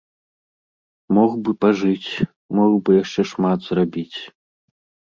Мог бы пажыць, мог бы яшчэ шмат зрабіць.